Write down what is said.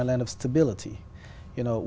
anh sẵn sàng không